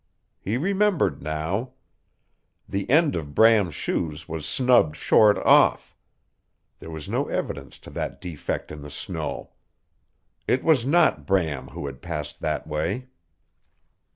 He remembered now. The end of Bram's shoes was snubbed short off. There was no evidence of that defect in the snow. It was not Bram who had passed that way.